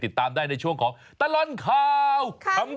ติดตามได้ในช่วงของตลอดข่าว